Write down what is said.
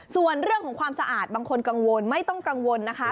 ส่วนเรื่องของความสะอาดบางคนกังวลไม่ต้องกังวลนะคะ